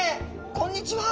こんにちは。